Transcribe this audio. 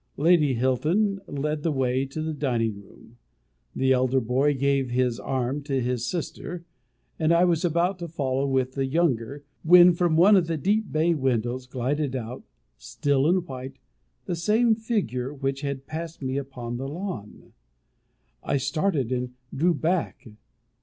Lady Hilton led the way to the dining room; the elder boy gave his arm to his sister, and I was about to follow with the younger, when from one of the deep bay windows glided out, still in white, the same figure which had passed me upon the lawn. I started, and drew back.